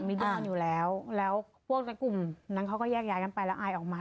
มีด้วยกันอยู่แล้วแล้วพวกกลุ่มนั้นเขาก็แยกย้ายกันไปแล้วอายออกมา